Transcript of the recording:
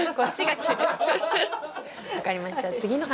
分かりました。